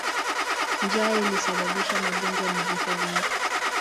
Njaa ilisababisha magonjwa na vifo vingi.